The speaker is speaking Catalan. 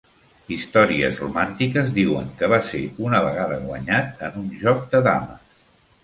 Històries romàntiques diuen que va ser una vegada guanyat en un joc de dames.